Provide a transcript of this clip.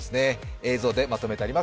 映像でまとめてあります。